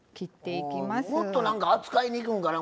もっとなんか扱いにくいんかな